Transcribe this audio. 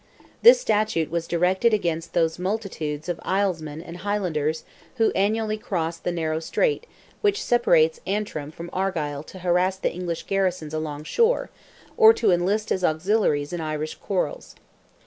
This statute was directed against those multitudes of Islesmen and Highlanders who annually crossed the narrow strait which separates Antrim from Argyle to harass the English garrisons alongshore, or to enlist as auxiliaries in Irish quarrels.